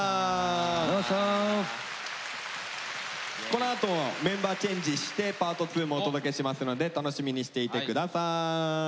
このあともメンバーチェンジしてＰａｒｔ．２もお届けしますので楽しみにしていて下さい。